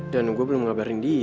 dan gue belum ngabarin dia